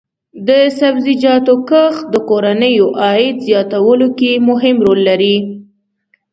د سبزیجاتو کښت د کورنیو عاید زیاتولو کې مهم رول لري.